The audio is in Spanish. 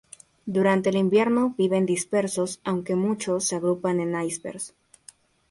Durante el invierno viven dispersos aunque muchos se agrupan en icebergs.